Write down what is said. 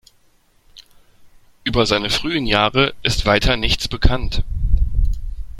Über seine frühen Jahre ist weiter nichts bekannt.